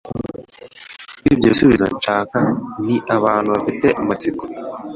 Kuri ibyo Ibisubizo nshaka ni abantu bafite amatsiko…